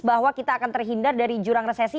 bahwa kita akan terhindar dari jurang resesi